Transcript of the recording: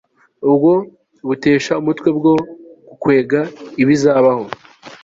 Ubwoba butesha umutwe bwo gukwega ibizabaho